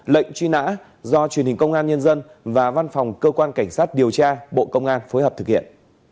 lệnh truy nã do truyền hình công an nhân dân và văn phòng cơ quan cảnh sát điều tra bộ công an phối hợp thực hiện